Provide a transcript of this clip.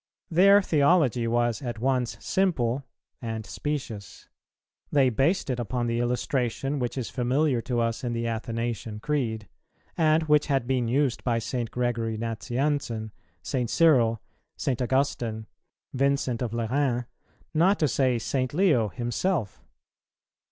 Their theology was at once simple and specious. They based it upon the illustration which is familiar to us in the Athanasian Creed, and which had been used by St. Gregory Nazianzen, St. Cyril, St. Augustine, Vincent of Lerins, not to say St. Leo himself.